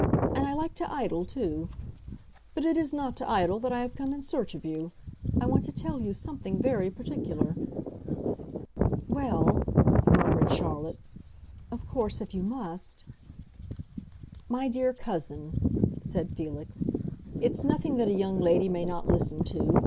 "And I like to idle too. But it is not to idle that I have come in search of you. I want to tell you something very particular." "Well," murmured Charlotte; "of course, if you must——" "My dear cousin," said Felix, "it's nothing that a young lady may not listen to.